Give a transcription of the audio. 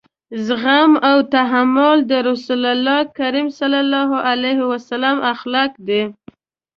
زغم او تحمل د رسول کريم صلی الله علیه وسلم اخلاق دي.